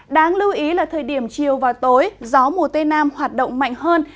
đáng lưu ý là thời điểm chiều và tối gió mùa tây nam hoạt động mạnh hơn